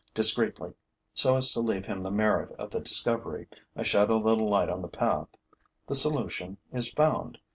Discreetly, so as to leave him the merit of the discovery, I shed a little light on the path. The solution is found.